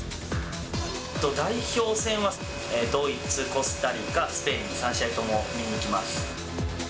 代表戦はドイツ、コスタリカ、スペイン、３試合とも見に行きます。